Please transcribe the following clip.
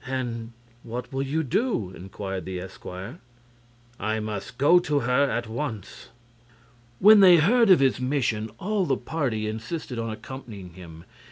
"And what will you do?" inquired the esquire. "I must go to her at once." When they heard of his mission all the party insisted on accompanying him.